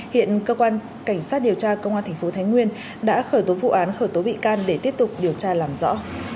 hiện cơ quan cảnh sát điều tra công an tp thái nguyên đã khởi tố vụ án khởi tố bị can để tiếp tục điều tra làm rõ